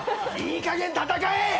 いいかげん戦え！